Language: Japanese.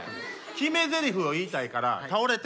決めゼリフを言いたいから倒れて。